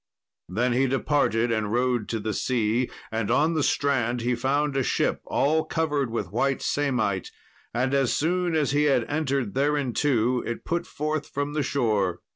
Then he departed and rode to the sea, and on the strand he found a ship all covered with white samite, and as soon as he had entered thereinto, it put forth from the shore.